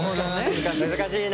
難しいな！